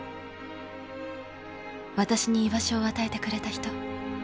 私に居場所を与えてくれた人。